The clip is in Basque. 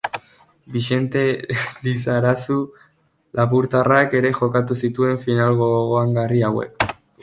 Bixente Lizarazu lapurtarrak ere jokatu zituen final gogoangarri hauek.